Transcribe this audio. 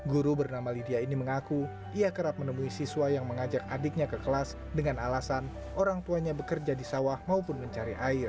guru bernama lydia ini mengaku ia kerap menemui siswa yang mengajak adiknya ke kelas dengan alasan orang tuanya bekerja di sawah maupun mencari air